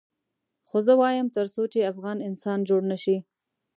خو زه وایم تر څو چې افغان انسان جوړ نه شي.